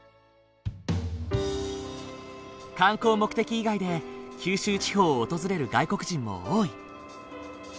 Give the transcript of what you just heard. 観光目的以外で九州地方を訪れる外国人も多い。